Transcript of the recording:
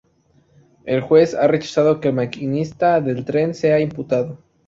El juez ha rechazado que el maquinista del tren sea imputado.